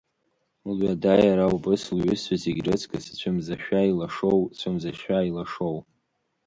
Лҩада иара убыс, лҩызцәа зегь рыҵкыс, цәымзашәа илашоу, цәымзашәа илашоу!